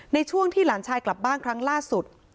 ในช่วงที่หลานชายกลับบ้านครั้งล่าสุด